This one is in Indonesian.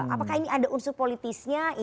apakah ini ada unsur politisnya